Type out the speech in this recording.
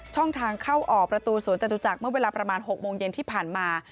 ช่องทางเข้าออกประตูสวนจตุจักรเมื่อเวลาประมาณ๖โมงเย็นที่ผ่านมา